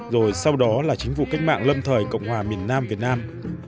rồi sau đó là chính phủ cách mạng lâm thời cộng hòa miền nam việt nam